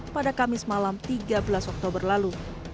pada kamis malam tiga belas oktober lalu